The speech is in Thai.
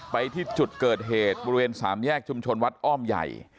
ไปที่จุดเกิดเหตุบริเวณสามแยกชุมชนวัดอ้อมใหญ่